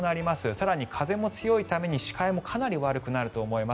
更に風も強いため視界もかなり悪くなると思います。